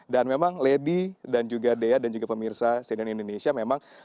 dan memang lady dan juga dea dan juga pemirsa sejalan indonesia memang